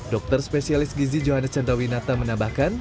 dokter spesialis gizi johannes chandwinata menambahkan